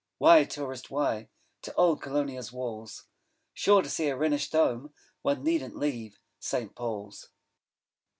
Why, Tourist, why To old Colonia's walls? Sure, to see a Wrenish Dome, One needn't leave St. Paul's.